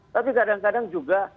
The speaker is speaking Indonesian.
tapi kadang kadang juga